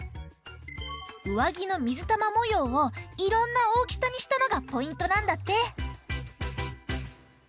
うわぎのみずたまもようをいろんなおおきさにしたのがポイントなんだって！